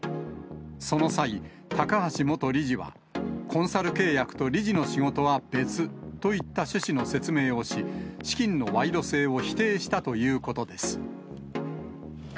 その際、高橋元理事は、コンサル契約と理事の仕事は別といった趣旨の説明をし、資金の賄賂性を否定したということです。